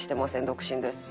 独身です」。